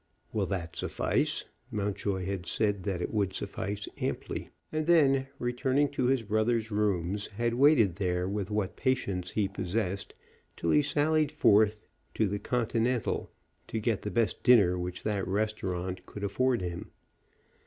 "Will that suffice?" Mountjoy had said that it would suffice amply, and then, returning to his brother's rooms, had waited there with what patience he possessed till he sallied forth to The Continental to get the best dinner which that restaurant could afford him.